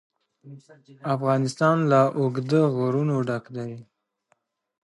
افغانستان له اوږده غرونه ډک دی.